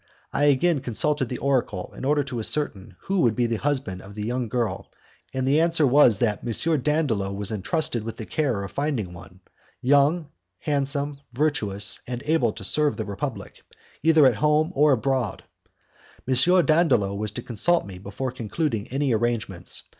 I again consulted the oracle in order to ascertain who would be the husband of the young girl, and the answer was that M. Dandolo was entrusted with the care of finding one, young, handsome, virtuous, and able to serve the Republic, either at home or abroad. M. Dandolo was to consult me before concluding any arrangements.